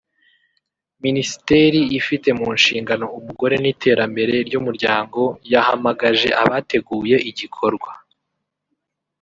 Minisiteri ifite mu nshingano umugore n’iterambere ry’umuryango yahamagaje abateguye igikorwa